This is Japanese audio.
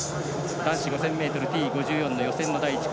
男子５０００ｍＴ５４の予選の第１組。